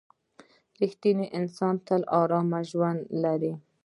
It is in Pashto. • رښتینی انسان تل ارام ژوند لري.